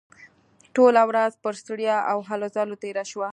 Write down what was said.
ټوله ورځ پر ستړیا او هلو ځلو تېره شوه